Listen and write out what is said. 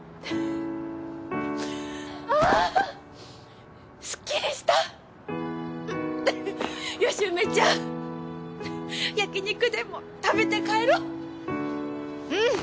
フフよし梅ちゃん焼肉でも食べて帰ろう。